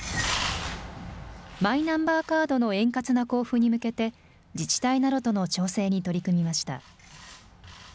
マイナンバーカードの円滑な交付に向けて、自治体などとの調整に取り組みました。